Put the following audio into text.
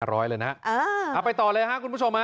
อ่ะร้อยเลยนะอ่าเอาไปต่อเลยฮะคุณผู้ชมฮะ